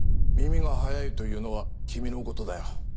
耳が早いというのは君のことだよ。